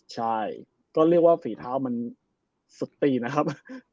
ใช่ก็เรียกว่าฝีเท้ามันสุดตีนะครับ